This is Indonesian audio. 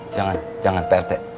jangan jangan prt